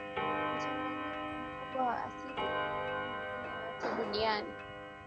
mchanganyiko mkubwa wa asili kuliko nyingine yoyote duniani